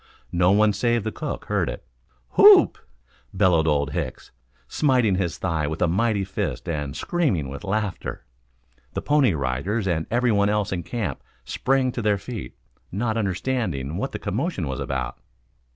No one save the cook heard it. "Whoop!" bellowed Old Hicks, smiting his thigh with a mighty fist and screaming with laughter. The Pony Riders and everyone else in camp sprang to their feet, not understanding what the commotion was about.